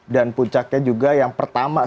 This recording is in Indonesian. dan puncaknya juga yang pertama